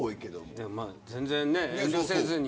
全然遠慮せずに。